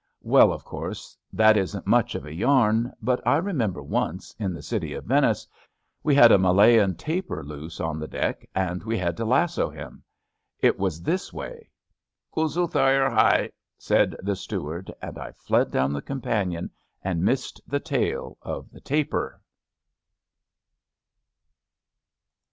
Well, of course, that isn't much of a yam, but I remember once, in the city of Venice, we had a Malayan tapir loose on the deck, and we had to lasso him. It was this way ":*^ Guzl thyar hai/' said the steward, and I fled down the companion and missed the tale of the tapir.